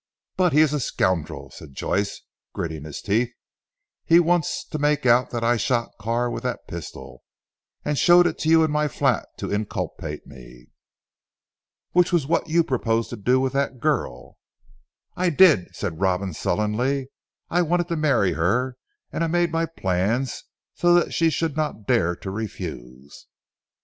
But he is a scoundrel," said Joyce gritting his teeth, "he wants to make out that I shot Carr with that pistol, and showed it to you in my flat to inculpate me." "Which was what you proposed to do with that girl!" "I did," said Robin sullenly. "I wanted to marry her; and I made my plans so that she should not dare to refuse."